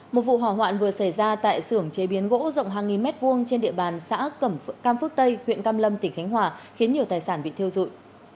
một vụ hỏa hoạn vừa xảy ra tại xưởng chế biến gỗ rộng hàng nghìn mét vuông trên địa bàn xã cầm phước tây huyện căm lâm tỉnh khánh hòa khiến nhiều tài sản bị thiêu dụi